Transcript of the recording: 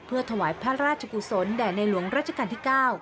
ถวายพระราชกุศลแด่ในหลวงราชการที่๙